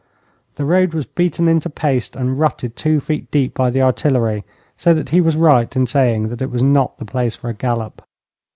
The road was beaten into paste and rutted two feet deep by the artillery, so that he was right in saying that it was not the place for a gallop.